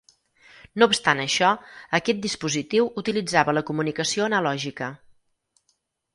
No obstant això, aquest dispositiu utilitzava la comunicació analògica.